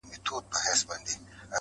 په ځنګله کي به حلال یا غرغړه سم!!